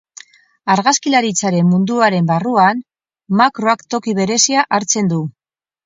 Argazkilaritzaren munduaren barruan, makroak toki berezia hartzen du.